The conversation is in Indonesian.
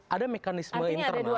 ada mekanisme internal